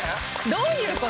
どういう事？